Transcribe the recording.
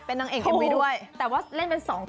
เป็นทั่าน